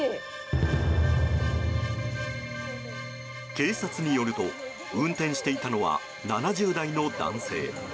警察によると運転していたのは７０代の男性。